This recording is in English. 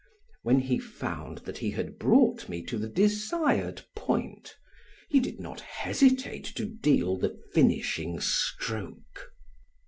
When he found that he had brought me to the desired point he did not hesitate to deal the finishing stroke.